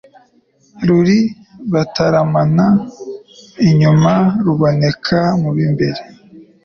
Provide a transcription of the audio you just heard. Ruri bataramana inyuma ruboneka mu b,imbere